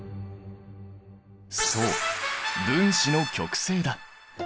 そう分子の極性だ。